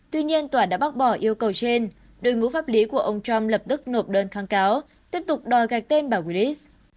tuy nhiên tòa đã bác bỏ yêu cầu trên đội ngũ pháp lý của ông trump lập tức nộp đơn kháng cáo tiếp tục đòi gạch tên bà bris